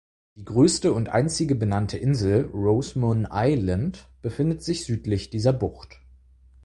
Die größte und einzige benannte Insel (Rosemoen Island) befindet sich südlich dieser Bucht.